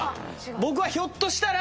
僕はひょっとしたら。